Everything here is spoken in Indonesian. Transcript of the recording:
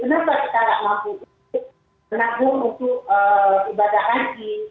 kenapa kita tidak mangsa menanggung untuk ibadah haji